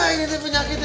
ini penyakit manusia